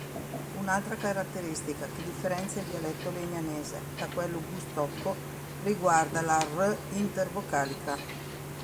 Un'altra caratteristica che differenza il dialetto legnanese da quello bustocco riguarda la "-r" intervocalica.